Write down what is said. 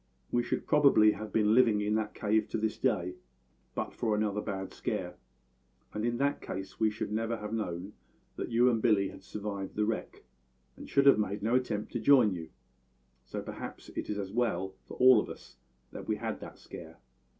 "We should probably have been living in that cave to this day but for another bad scare and in that case we should never have known that you and Billy had survived the wreck, and should have made no attempt to join you; so perhaps it is just as well for all of us that we had that scare."